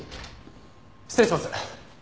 失礼します。